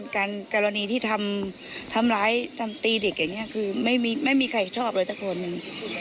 คือในความรู้สึกของชาวบ้านนี้